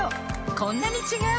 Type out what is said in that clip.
こんなに違う！